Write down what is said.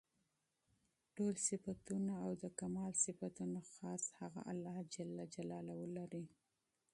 ټول تعريفونه او د کمال صفتونه خاص هغه الله لره دي